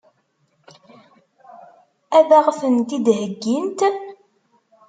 Ad ɣ-tent-id-heggint?